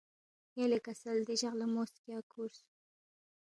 یلے کسل دے جق لہ مو سکیا کھُورس